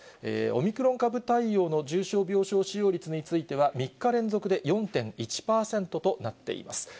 オミクロン株対応の重症病床使用率については、３日連続で４．１％となっています。